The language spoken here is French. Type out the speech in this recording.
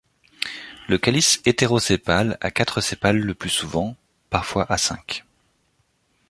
Le calice hétérosépale a quatre sépales le plus souvent, parfois à cinq.